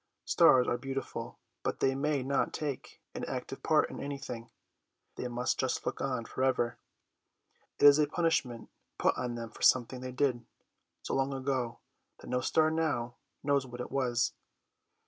Stars are beautiful, but they may not take an active part in anything, they must just look on for ever. It is a punishment put on them for something they did so long ago that no star now knows what it was.